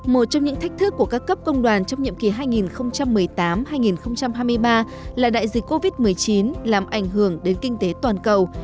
một trong những thách thức của các cấp công đoàn trong nhiệm kỳ hai nghìn một mươi tám hai nghìn hai mươi ba là đại dịch covid một mươi chín làm ảnh hưởng đến kinh tế toàn cầu